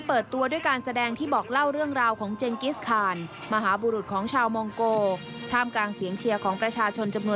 เปิดตัวด้วยการแสดงที่บอกเล่าเรื่องราว